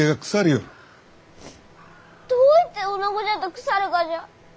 どういておなごじゃと腐るがじゃ？